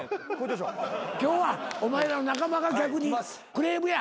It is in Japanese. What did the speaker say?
今日はお前らの仲間が逆にクレームや。